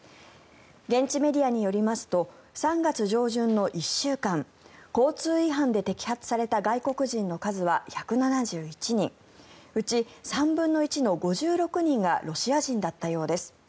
現地メディアによりますと３月上旬の１週間交通違反で摘発された外国人の数は１７１人うち３分の１の５６人がロシア人だったようです。